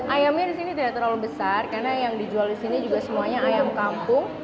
ayamnya di sini tidak terlalu besar karena yang dijual di sini juga semuanya ayam kampung